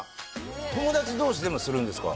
友達同士でもするんですか？